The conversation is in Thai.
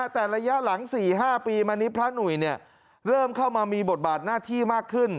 แต่ระยะหลัง๔๕ปีมานี้พระหนุ่ยเริ่มเข้ามามีบทบาทหน้าที่มากขึ้น